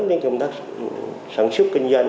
đến công tác sản xuất kinh doanh